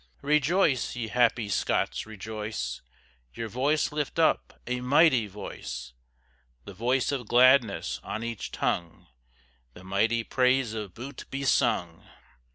Rejoice! ye happy Scots rejoice! Your voice lift up, a mighty voice, The voice of gladness on each tongue, The mighty praise of Bute be sung.